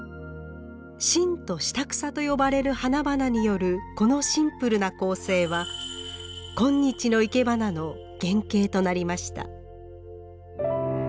真と下草と呼ばれる花々によるこのシンプルな構成は今日のいけばなの原型となりました。